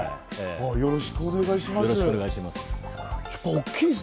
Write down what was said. よろしくお願いします。